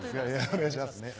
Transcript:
お願いしますね。